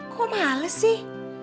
kok males sih